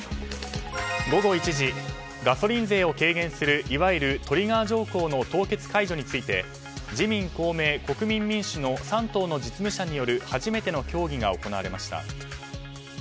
午後１時、ガソリン税を軽減するいわゆるトリガー条項の凍結解除について自民・公明・国民民主の３党の実務者による初めての協議が行われました。